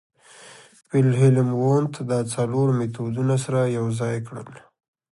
ویلهیلم وونت دا څلور مېتودونه سره یوځای کړل